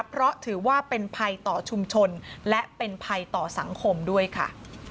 เพราะถือว่าเป็นภัยต่อชุมชนและเป็นภัยต่อสังคมด้วยค่ะ